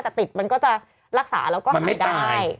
แต่ติดมันก็จะรักษาแล้วก็หายได้